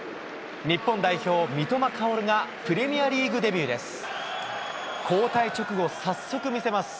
日本代表、三笘薫がプレミアリーグデビューです。